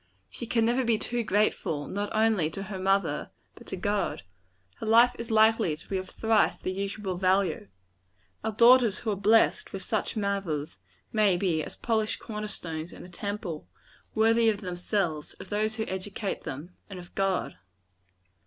She can never be too grateful, not only to her mother, but to God. Her life is likely to be of thrice the usual value. Our daughters who are blessed with such mothers, may become as polished corner stones in a temple worthy of themselves, of those who educate them, and of God.